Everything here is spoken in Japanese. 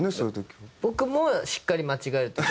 僕もしっかり間違える時も。